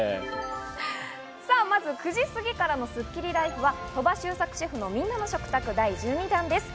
まず９時すぎからのスッキリＬＩＦＥは鳥羽周作シェフのみんなの食卓、第１２弾です。